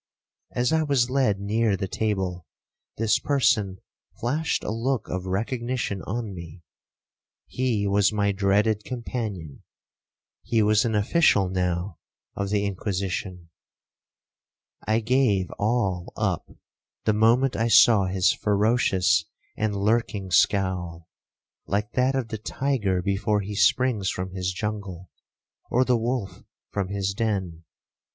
As I was led near the table, this person flashed a look of recognition on me,—he was my dreaded companion,—he was an official now of the Inquisition. I gave all up the moment I saw his ferocious and lurking scowl, like that of the tiger before he springs from his jungle, or the wolf from his den.